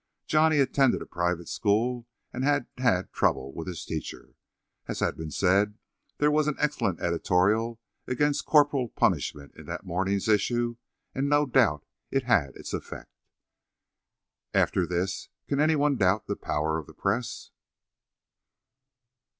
Johnny attended a private school and had had trouble with his teacher. As has been said, there was an excellent editorial against corporal punishment in that morning's issue, and no doubt it had its effect. After this can any one doubt the power of the press?